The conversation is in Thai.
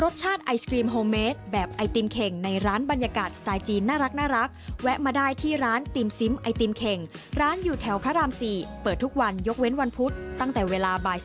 โอ้โฮเป็นหัวของเขา